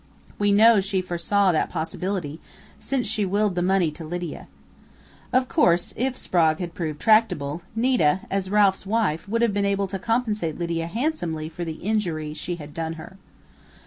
We know she foresaw that possibility, since she willed the money to Lydia. Of course if Sprague had proved tractable, Nita as Ralph's wife would have been able to compensate Lydia handsomely for the injury she had done her."